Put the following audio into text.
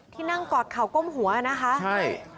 ที่นั่งกอดข่าวก้มหัวนะฮะ